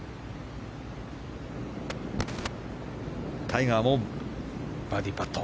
タイガーもバーディーパット。